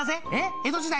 江戸時代の？